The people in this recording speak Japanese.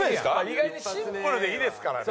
意外にシンプルでいいですからね。